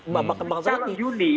bapak kebangsaan ini